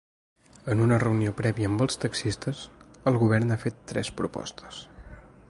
En una reunió prèvia amb els taxistes, el govern ha fet tres propostes.